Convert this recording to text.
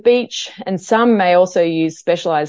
jika anda berada di pantai